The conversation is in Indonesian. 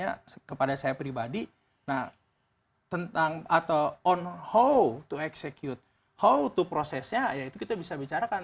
kalau mbak desita nya kepada saya pribadi tentang atau on how to execute how to prosesnya ya itu kita bisa bicarakan